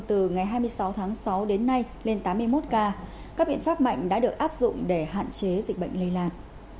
từ ngày hai mươi sáu tháng sáu đến nay lên tám mươi một ca các biện pháp mạnh đã được áp dụng để hạn chế dịch bệnh lây lan